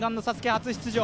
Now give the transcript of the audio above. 初出場